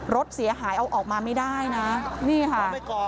รถเสียหายเอาออกมาไม่ได้นะนี่ค่ะ